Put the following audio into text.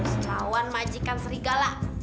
sejauhan majikan serigala